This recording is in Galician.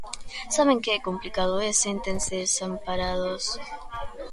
Saben que é complicado e séntense desamparados.